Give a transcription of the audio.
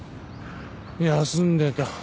休んでた。